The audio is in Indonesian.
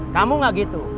kamu gak gitu